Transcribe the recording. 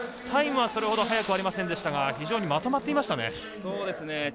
タイムはそれほど速くありませんでしたが非常にまとまっていましたね。